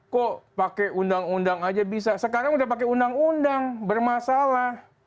kok pakai undang undang aja bisa sekarang udah pakai undang undang bermasalah